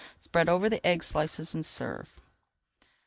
Spread over the egg slices and serve.